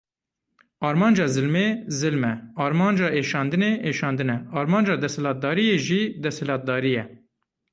Armanca zilmê zilm e, armanca êşandinê êşandin e, armanca desthilatdariyê jî desthilatdarî ye.